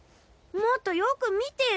もっとよく見てよ！